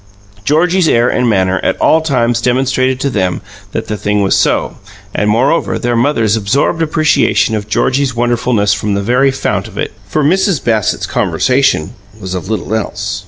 Georgie's air and manner at all times demonstrated to them that the thing was so, and, moreover, their mothers absorbed appreciation of Georgie's wonderfulness from the very fount of it, for Mrs. Bassett's conversation was of little else.